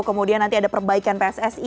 kemudian nanti ada perbaikan pssi